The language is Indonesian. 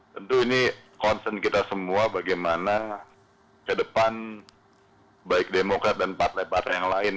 tentu ini concern kita semua bagaimana ke depan baik demokrat dan partai partai yang lain